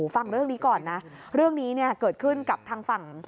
ฟังเรื่องนี้ก่อนนะเรื่องนี้เนี่ยเกิดขึ้นกับทางฝั่ง